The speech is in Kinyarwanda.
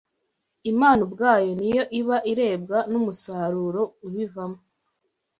Imana ubwayo ni yo iba irebwa n’umusaruro ubivamo